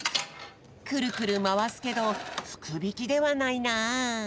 くるくるまわすけどふくびきではないな。